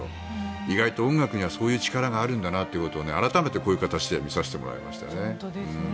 意外と音楽にはそういう力があるんだなということを改めてこういう形で見させてもらいましたよね。